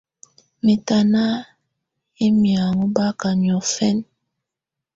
Mɛ̀tana yɛ̀ miaŋgɔ̀á bakà niɔ̀fɛ̀na.